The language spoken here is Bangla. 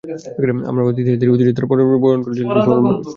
আমাদের ইতিহাসের ধারা, ঐতিহ্যের পারম্পর্য বহন করে নিয়ে চলেছে দেশের সরল মানুষ।